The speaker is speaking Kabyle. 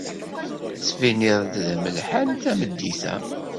Tettbineḍ-d d amelḥan tameddit-a.